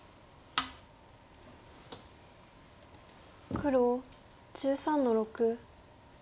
黒１３の六。